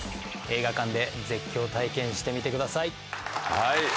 映画館で絶叫体験してみてください。